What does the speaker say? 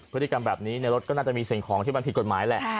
พฤติกรรมแบบนี้ในรถก็น่าจะมีสิ่งของที่มันผิดกฎหมายแหละ